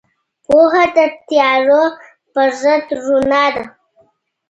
پوهه د تیارو پر ضد رڼا ده.